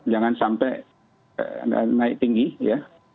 jangan sampai naik tinggi ya